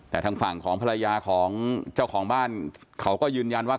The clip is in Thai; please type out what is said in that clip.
แต่ทางฝั่งของภรรยาของเจ้าของบ้านเขาก็ยืนยันว่า